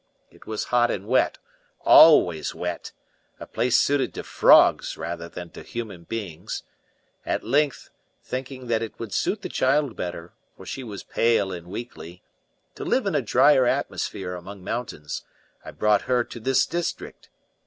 It was hot and wet always wet a place suited to frogs rather than to human beings. At length, thinking that it would suit the child better for she was pale and weakly to live in a drier atmosphere among mountains, I brought her to this district.